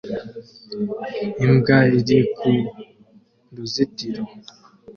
Imbwa iri ku ruzitiro